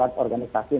dan juga para pelajar